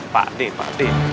pak d pak d